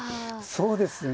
そうですね。